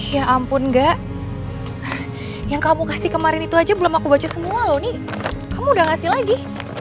ya ampun enggak yang kamu kasih kemarin itu aja belum aku baca semua loh nih kamu udah ngasih lagi